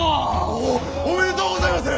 おお！おめでとうございます！